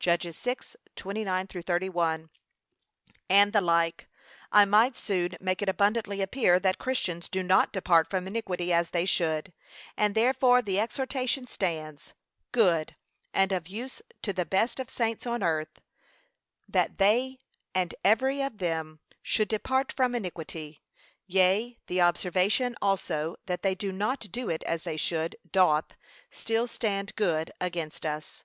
(Jud. 6:29 31) and the like, I might soon make it abundantly appear, that Christians do not depart from iniquity as they should; and therefore the exhortation stands; good, and of use to the best of saints on earth, that they and every of them 'should depart from iniquity.' Yea, the observation also that they do not do it as they should, doth still stand good against us.